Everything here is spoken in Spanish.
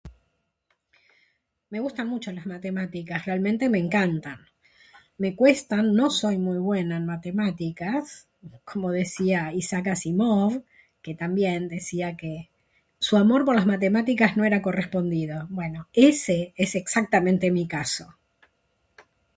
Me gustan mucho las matemáticas, realmente me encantan. Me cuestan, no soy muy buena en Matemáticas... como decía Isaac Asimov ... que también decía que... su amor por las Matemáticas no era correspondido. Bueno, ese es exactamente mi caso.